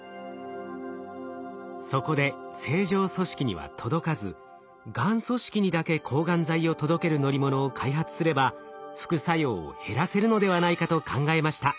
そこで正常組織には届かずがん組織にだけ抗がん剤を届ける乗り物を開発すれば副作用を減らせるのではないかと考えました。